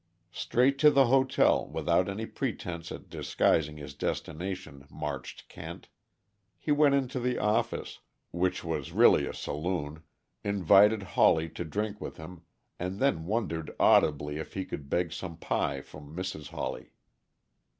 Straight to the hotel, without any pretense at disguising his destination, marched Kent. He went into the office which was really a saloon invited Hawley to drink with him, and then wondered audibly if he could beg some pie from Mrs. Hawley.